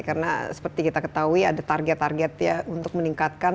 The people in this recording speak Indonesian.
karena seperti kita ketahui ada target target ya untuk meningkatkan